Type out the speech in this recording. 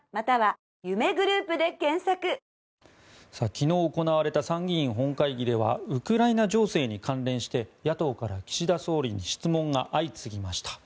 昨日行われた参議院本会議ではウクライナ情勢に関連して野党から岸田総理に質問が相次ぎました。